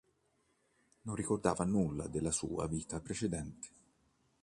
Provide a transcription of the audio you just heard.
Non ricordava nulla della sua vita precedente.